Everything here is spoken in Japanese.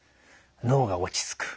脳が落ち着く。